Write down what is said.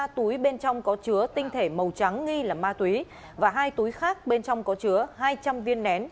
ba túi bên trong có chứa tinh thể màu trắng nghi là ma túy và hai túi khác bên trong có chứa hai trăm linh viên nén